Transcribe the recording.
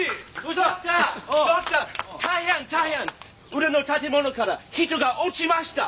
裏の建物から人が落ちました！